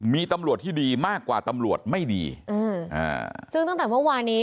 มีตำรวจที่ดีมากกว่าตำรวจไม่ดีอืมอ่าซึ่งตั้งแต่เมื่อวานี้